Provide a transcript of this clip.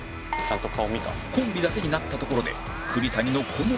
コンビだけになったところで栗谷の好みを探る